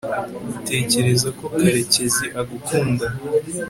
utekereza ko karekezi agukunda